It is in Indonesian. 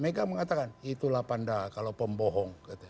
mega mengatakan itulah panda kalau pembohong gitu ya